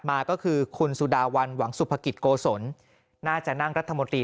มาก็คือคุณสุดาวันหวังสุภกิจโกศลน่าจะนั่งรัฐมนตรี